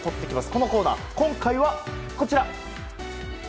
このコーナー、今回はこちら。